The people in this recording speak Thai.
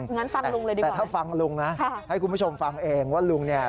งั้นฟังลุงเลยดีกว่าแต่ถ้าฟังลุงนะให้คุณผู้ชมฟังเองว่าลุงเนี่ย